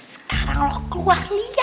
sekarang lo keluar lihat